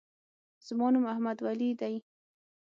زما نوم احمدولي دی.